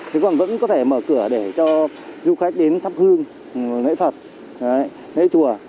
thế còn vẫn có thể mở cửa để cho du khách đến tháp hương lễ phật lễ chùa